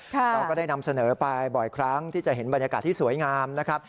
เราก็ได้นำเสนอไปบ่อยครั้งที่จะเห็นบรรยากาศที่สวยงามนะครับ